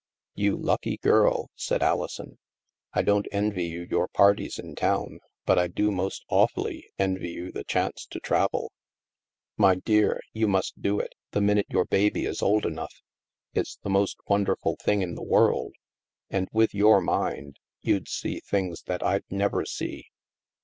"You lucky girl," said Alison. "I don't envy you your parties in town, but I do most awfully envy you the chance to travel." " My dear, you must do it, the minute your baby is old enough. It's the most wonderful thing in the world. And with your mind, you'd see things that I'd never see.